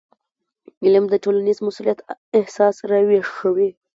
علم د ټولنیز مسؤلیت احساس راویښوي.